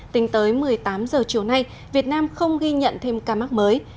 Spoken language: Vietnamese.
tính tới một mươi tám h chiều nay việt nam không ghi nhận thêm ca mắc mới